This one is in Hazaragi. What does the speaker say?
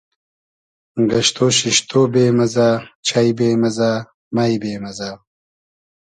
گئشتۉ شیشتۉ بې مئزۂ, چݷ بې مئزۂ, مݷ بې مئزۂ